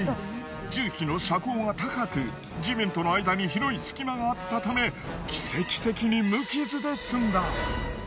重機の車高が高く地面との間に広い隙間があったため奇跡的に無傷で済んだ。